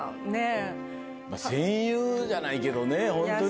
戦友じゃないけどね。